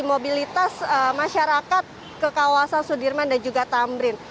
mobilitas masyarakat ke kawasan sudirman dan juga tamrin